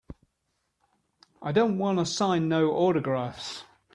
I don't wanta sign no autographs.